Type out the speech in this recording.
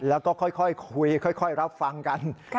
แล้วก็ค่อยคุยค่อยรับฟังกัน